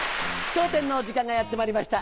『笑点』の時間がやってまいりました。